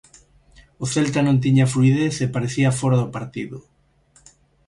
O celta non tiña fluidez e parecía fóra do partido.